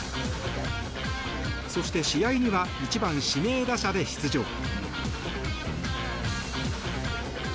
そして試合には１番指名打者で出場。